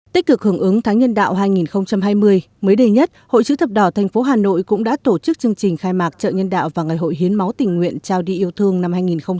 tích cực hưởng ứng tháng nhân đạo hai nghìn hai mươi mới đề nhất hội chức thập đỏ thành phố hà nội cũng đã tổ chức chương trình khai mạc chợ nhân đạo và ngày hội hiến máu tình nguyện trao đi yêu thương năm hai nghìn hai mươi